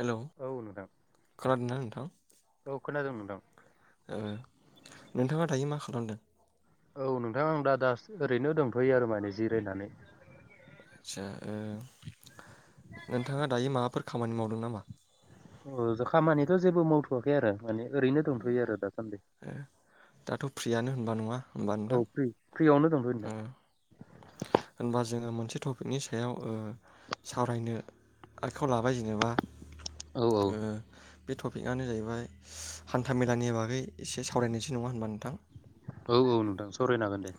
Hello औ नोंथां खोनादों ना नोंथां? औ खोनादों नोंथां। ओ नोंथाङा दायो मा खालामदों? औ नोंथां आं दा दास ओरैनो दंथ'यो आरो माने जिरायनानै। आदसा ओ नोंथाङा दायो माबाफोर खामानि मावदों नामा? ओ ज खामानिथ' जेबो मावथ'वाखै आरो माने ओरैनो दंथ'यो आरो दासान्दि। दाथ' फ्रियानो होनबा नङा औ नोंथां फ्रि फ्रियावनो दंथ'यो नोंथां उम होमबा जोङो मोनसे टपिकनि सायाव ओ सावरायनो आखायाव लाबाय जेनेबा औ औ ओ बे टपिकआनो जाहैबाय हान्था मेलानि बागै एसे सावरायनायसो नङा होनबा नोंथां औ औ नोंथां सवरायनो हागोन दे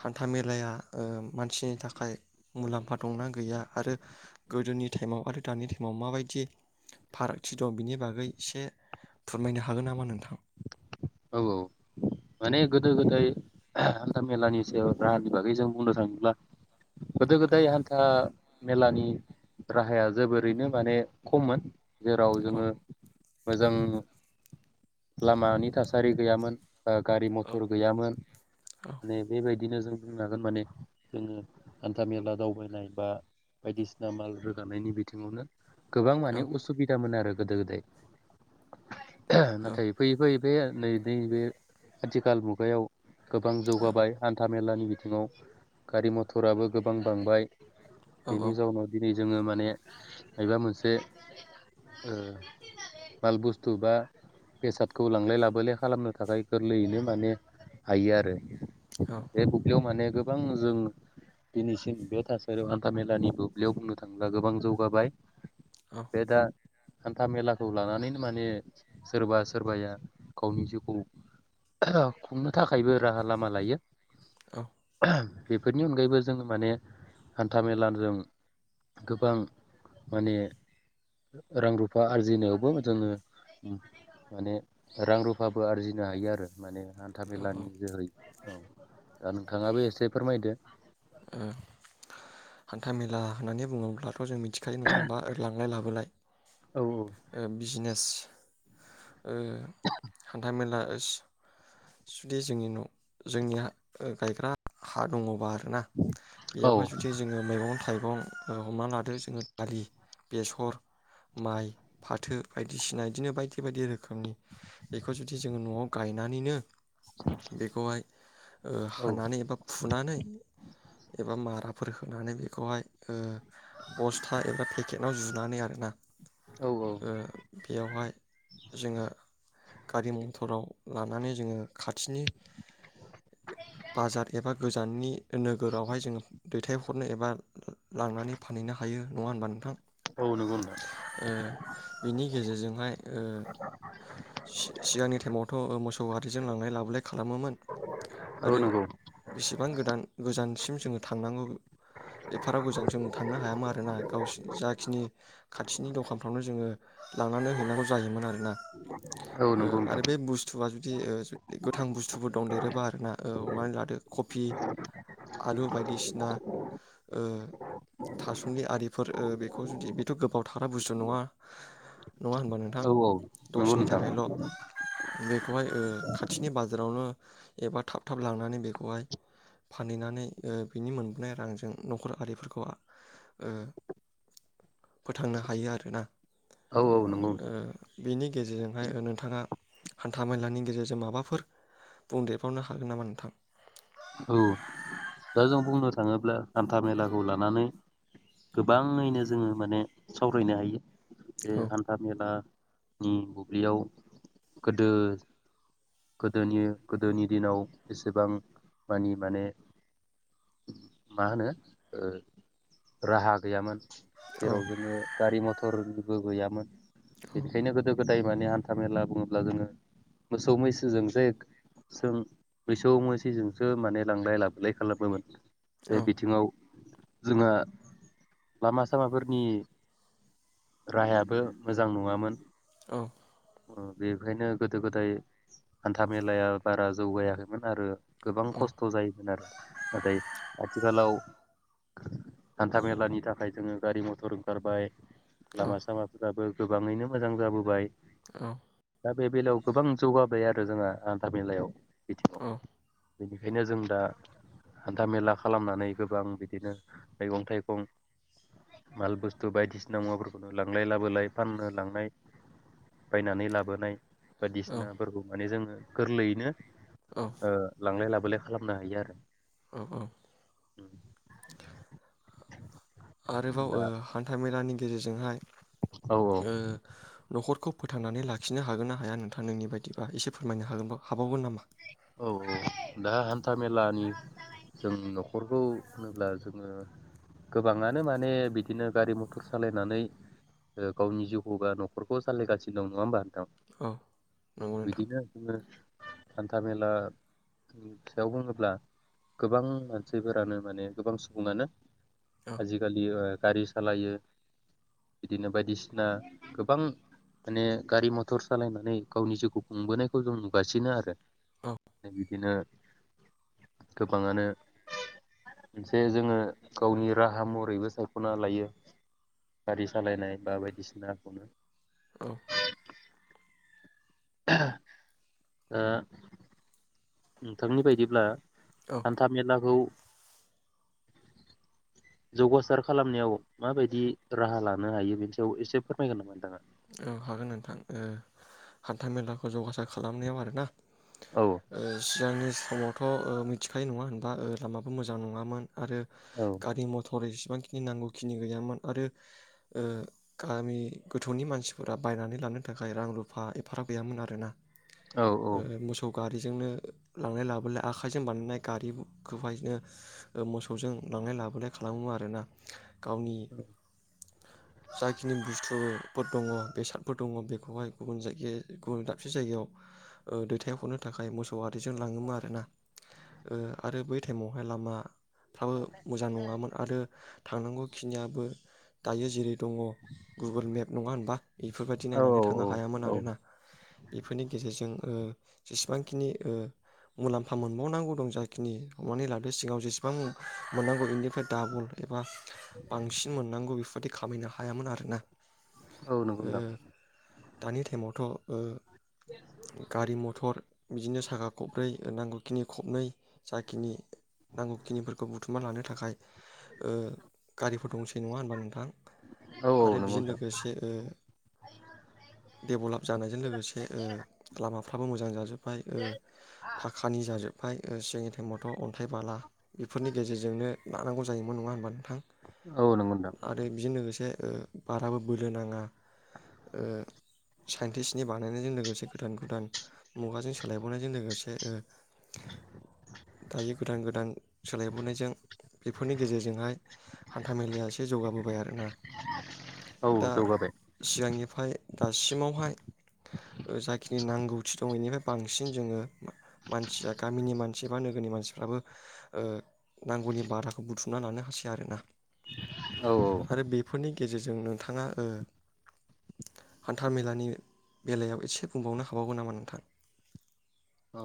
हान्था मेलाया ओ मानसिनि थाखाय मुलाम्फा दंना गैया आरो गोदोनि टाइमाव आरो दानि टाइमाव माबायदि फारागथि दं बिनि बागै एसे फोरमायनो हागोन नामा नोंथां औ औ माने गोदो गोदाय हान्था मेलानि सायाव राहानि बागै जों बुंनो थाङोब्ला गोदो गोदाय हान्था मेलानि राहाया जोबोरैनो माने खममोन जेराव जोङो मोजां लामानि थासारि सारि गैयामोन गारि मथर गैयामोन माने बेबायदिनो जों बुं हागोन माने जोङो हान्था मेला दावबायनाय बा बायदिसिना माल रोगानायनि बिथिङावनो गोबां माने असुबिदामोन आरो गोदो गोदाय नाथाय फैयै फैयै बे नै बे बे आथिखाल मुगायाव गोबां जौगाबाय हान्था मेलानि बिथिङाव गारि मथराबो गोबां बांबाय। बेनि जाउनाव दिनि जोङो माने मायबा मोनसे ओ माल बुुस्थु बा बेसादखौ लांलाय लाबो बोले खालामनो थाखाय गोरलैयैनो माने हायो आरो। बे बुब्लियाव माने गोबां जों दिनैसिम बे थासारियाव हान्था-मेलानि बुब्लियाव बुंनो थाङोब्ला गोबां जौगाबाय बे दा हान्था-मेलाखौ लानानैनो माने सोरबा सोरबाया गावनि जिउखौ ओहोम खुंनो थाखायबो राहा लामा लायो। औ ओ बेफोरनि अनगायैबो जोङो माने हान्था-मेलाजों गोबां माने रां-रुफा आरजिनोयावबो जोङो माने रां-रुफाबो आरजिनो हायो आरो माने। औ हान्था-मेलानि जोहै औ दा नोंथाङाबो एसे फोरमायदो हान्था मेला होननानै बुङोब्लाथ' जों थिखायो नङा होमबा ओ लांलाय लाबोलाय ओ औ बिजनेस ओ हान्था मेला ओस जुदि जोंनि न' जोंनि हा ओ गायग्रा हा दङबा ना औ बेवहाय जुदि जोङो मैगं थाइगं मैगं ओ हमना लादो जोङो दालि बेसर माइ फाथो बायदिसिना इदिनो बायदि बायदि रोखोमनि बेखौ जुदि जोङो न'आव गायनानैनो बेखौहाय ओ औ हानानै एबा फुनानै एबा माराफोर फोनानै बेखौहाय ओ बस्था एबा पेकेटआव जुनानै आरोना औ ओ बेवहाय जोङो गारि मथराव लानानै जोङो खाथिनि बाजार एबा गोजाननि नोगोरावहाय जोङो दैथायहरनो एबा लांनानै फानहैनो हायो नङा होनबा नोंथां। औ नंगौ नोंथां ओ बिनि गेजेरजोंहाय ओ सिगांनि टेमथ' मसु औवारि जों लांलाय लाबोलाय खालामो मोन। औ आरो नंगौ बिसिबां गोदान गोजान सिन। उम जोङो थांनांङो एफाराब गोजान जों थांनो हायामारो ना। गावसिनि जाखिनि खाथिनि गाव खामफ्लंनाय जोङो। दानानै लुनांगौ जायो मोन आरो ना। औ ओ नंगौ नोंथां आरो बे बुस्थुआ जुदि ओ गोथां बुस्थुफोर दं देरोबा आरो ना। औ मानलादो कफि आलु बायदिसिना ओ थास'नि आरिफोर ओ बेखौ जुदि बेथ' गोबाव थाग्रा बुस्थु नङा। नङा होनबा नोंथां औ औ नंगौ दसेनि नोंथां थाखायल' बे। बेखौहाय ओ खा खाथिनि बाजारावनो एबा थाब थाब लांनानै बेखौहाय फानहैनानै ओ बिनि मोनबोनाय रांजों नखर आरिफोरखौ ओ फोथांनो हायो आरोना औ औ नंगौ ओ नोंथां बिनि गेजेरजोंहाय नोंथाङा हान्था मेलानि गेजेरजों माबा बेफोर बुंदेरबावनो हागोन नामा नोंथां औ दा जों बुंनो थाङोब्ला हान्था मेलाखौ लानानै गोबाङैनो जोङो माने सावरायनो हायो जे औ हान्था मेलानि [unintelligible] लियाव गोदो गोदोनि गोदोनि दिनाव एसेबां मानि माने मा होनो ओ राहा गैयामोन औ जेराव जोङो गारि मथरनिबो गैयामोन औ बेखायनो गोदो गो जाय माने हान्था मेला बुङोब्ला जोङो मोसौ मैसोजोंसो जे जों मोसौ मैसोजोंसो माने लांलाय लाबोलाय [unintelligible] बे औ बिथिङाव जोंहा लामा सामाफोरनि राहायाबो मोजां नङामोन औ बेखायनो गोदो गोदाय हान्था मेलाया बारा जौगायाखैमोन आरो गोबां औ खस्थ' जायोमोन आरो नाथाय आथिखालाव हान्थाामेलानि थाखाय जोङो गारि मथर ओंखारबाय औ लामा सामाफोराबो गोबाङैनो मोजां जाबोबाय औ दा बे बेलायाव गोबां जौगाबाय आरो जोंहा हान्था मेलायाव बिथिङाव औ बेनिखायनो जों दा हान्था मेला खालामनानै गोबां बिदिनो मैगं थाइगं माल बुस्थु बायदिसिना मुवाफोरखौनो लांलाय लाबोलाय फाननो लांनाय बायनानै लाबोनाय औ बायदिसिनाफोरखौ माने जोङो गोरलैयैनो औ लांलाय लाबो बोलाय खालामनो हायो आरो औ-औ आरोबाव ओ दा हान्था मेलानि गेजेरजोंहाय औ ओ न'खरखौ फोथांनानै लाखिनो हागोन ना हाया नोंथाङा नोंनि बायदिबा एसे फोरमायनो हागोन हाबावगोन नामा? औ-औ दा हान्था मेलानि जों न'खरखौ होनोब्ला जोङो गोबाङानो माने बिदिनो गारि मथर सालायनानै ओ गावनि जिउखौ बा न'खरखौ सालायगासिनो दं नङा होमबा औ नंगौ नोंथां बिदिनो जोङो थामेलानि सायाव बुङोब्ला गोबां मानसिफोरानो माने गोबां सुबुङानो औ आजिखालि गारि सालायो बिदिनो बायदिसिना गोबां माने गारि मथर सालायनानै गावनि जिउखौ खुंबोनायखौ जों नुगासिनो आरो औ बिदिनो गोबाङानो मोनसे जोङो गावनि राहा महरैबो सायख'ना लायो गारि सालायनाय बा बायदि सिना औ ओ नोंथांनि बायदिब्ला औ हान्था मेलाखौ जौगासार खालामनायाव माबायदि राहा लानो हायो बेनि सायाव एसे फोरमायगोन नामा नोंथाङा औ हागोन नोंथां ओ हान्था मेलाखौ जौगासार खालामनायाव आरो ना- औ [unintelligible] समावथ' मिथिखायो नङा होनबा लामाबो मोजां नङामोन आरो औ गारि मथर [unintelligible] नांगौखिनि गैयामोन आरो ओ गामि गोथौनि मानसिफोरा बायनानै लानो थाखाय रां रुफा एफाराब गैयामोन आरो ना औ ओ मोसौ गारी बेजोंनो लांलाय -लाबोलाय आखाइजों बानायनाय गारिखौहायनो मोसौजों लांलाय -लाबोलाय खालामो आरोना गावनि जाखिनि बुस्थु फोर दङ दैसा दङ बेखौहाय गुबुन जायगा गुबुन दाबसे जायगायाव दैथाय हरनो थाखाय मोसौ आरिजों लाङोमोन आरोना ओ आरो बै टाइमाव फाय लामा फ्राबो मोजां नङामोन आरो थांनांगौ बेखिनियाबो दायो जेरै दङ गुगोल मेप नङा होनबा बेफोरबायदि औ नायनानै थांनो हायामोन औ आरोना। बेफोरनि गेजेरजों ओ जेसेबांखिनि ओ मुलाम्फा मोनबावनांगौ दं जाखिनि हमनानै लादो सिगाव जेसेबां मोननांगौ बेनिफ्राय डाबल एबा बांसिन मोननांगौ बेफोरदि। खामायनो हायामोन आरोना। औ नंगौ ओ नोंथाय। दानि टाइमावथ'ओ। गारि मथर बिदिनो साखा खब्रै नांगौखिनि खबनै जाखिनि नांगौखिनिफोरखौ बुथुमना लानो थाखाय। ओ गारिफोर दंसै नङा होनबा नोंथां औ औ आरो नंगौ बेजों नोंथां लोगोसे देभेलब जानायजों लोगोसे। लामाफ्राबो मोजां जाजोबबाय ओ फाखानि जाजोबबाय ओ सिगानि टाइमथ' अन्थाइ बाला बेफोरनि गेजेरजोंनो। लानांगौ जायोमोन नङा होनोमब्लानो। थां औ नंगौ नोंथां आरो बेजों लोगोसे। ओ बाराबो बोलो नाङाओ साइन्टिस्टनि बानायनायजों लोगोसे। गोदान गोदान मुगाजों सोलायबोनायजों लोगोसे ओ दायो गोदान गोदान सोलाय बोनायजों बेफोरनि गेजेरजोंहाय हान्थ -मेलाया एसे जौगाबोबाय आरोना औ दा जौगाबाय सिगांनिफ्राय दासिमावहाय जाय। जिखिनि नांगौथि दं बेनिफ्राय बांसिन जोङो मानसिया गामिनि मानसि बा नोगोरनि मानसिफ्राबो नांगौनि बाराखौ बुथुमना लानो हासै आरोना। औ औ आरो बेफोरनि। गेजेरजों नोंथाङा हान्था मेलानि बेलायाव एसे। बुंबावनो हाबावगोन नामा नोंथां? औ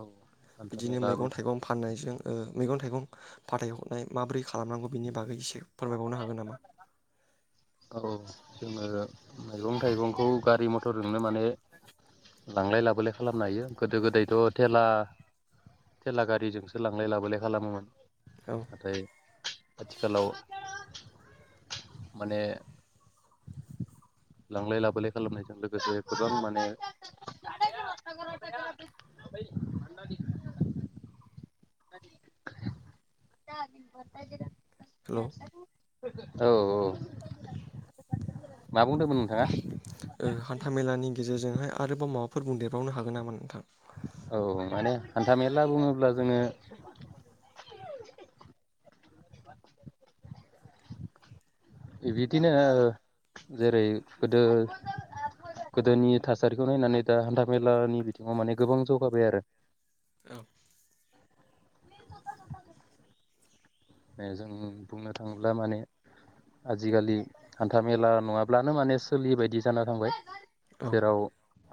हान्था बिदिनो मेला बुं मैगं थाइगं फाननायजों। मैगं थाइगं फाथायहरनाय माबोरै खालामनांगौ बिनि बागै एसे। फोरमायबावनो हागोन नामा औ जोंङो। मैगं थाइगंखौ गारि मथरजोंनो माने लांलाय लाबोलाय खालामनो हायो गोदो गोदायथ थेला थेला गारिजोंसो लांलाय लाबोलाय खालामोमोन। औ नाथाय। आथिखालाव। माने लांलाय लाबोलाय खालामनायजों लोगोसे गोबां माने। [inaudible] हेलौ द [inaudible] औ औ। [inaudible] मा बुंदोंमोन नोंथाङा? हान्थाामेलानि गेजेरजोंहाय आरोबाव माबाफोर बुंदेरबावनो हागोन नामा नोंथां? औ माने हान्था मेला बुङोब्ला जोङो। बिदिनो जेरै गोदो गोदोनि थासारिखौ नायनानै दा हान्थामेलानि बिथिङाव माने गोबां जौगाबाय आरो। औ। म दफ जफ [inaudible] जों बुंनो थाङोब्ला माने आजिखालि हान्था मेला नङाब्लानो माने सोलियैबायदि जाना थांबाय औ जेराव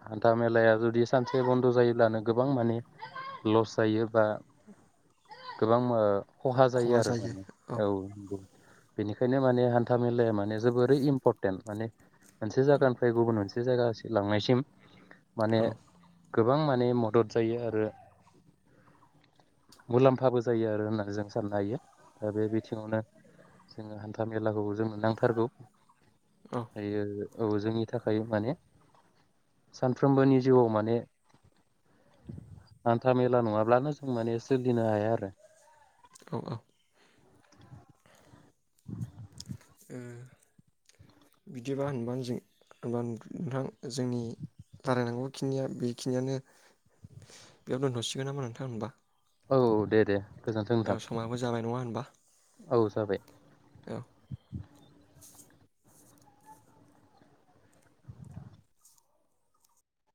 हान्था मेलाया जुदि सानसे बन्द जायोब्लानो गोबां माने लस जायो बा गोबां। खहा जायो आरो। औ नंगौ बेनिखायनो माने हान्था मेलाया माने जोबोरै इम्परटेन्ट माने मोनसे जायगानिफ्राय गुबुन मोनसे जायगा लांनायसिम। माने। औ गोबां माने मदद जायो आरो मुलाम्फाबो जायो आरो होननानै जों साननो हायो। दा बे बिथिङावनो जोङो हान्था मेलाखौबो जोंनो नांथारगौ। औ दायो औ जोंनि थाखाय माने सानफ्रोमबोनि जिउआव माने हान्था मेला नङाब्लानो जों माने सोरलिनो हाया आरो। औ औ बिदिबा होनबा नोंथां जों होनबा नोंथां जोंनि रायलायनांगौ खिनिया बेखिनियानो बेयाव दोनथसिगोन नामा नोंथां होनबा। औ औ दे दे गोजोन्थों औ नोंथां समाबो जाबाय नङा होनबा औ जाबाय। औ